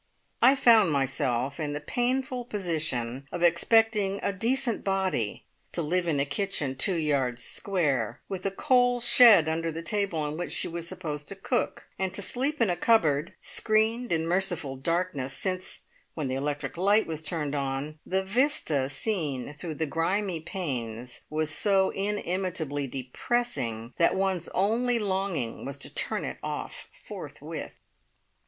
I found myself in the painful position of expecting "a decent body" to live in a kitchen two yards square, with a coal "shed" under the table on which she was supposed to cook, and to sleep in a cupboard, screened in merciful darkness, since, when the electric light was turned on, the vista seen through the grimy panes was so inimitably depressing that one's only longing was to turn it off forthwith!